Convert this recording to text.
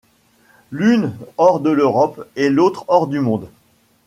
L'une hors de l'Europe et l'autre hors du monde